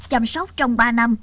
chăm sóc trong ba năm